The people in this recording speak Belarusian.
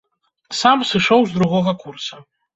Сам сышоў з другога курса.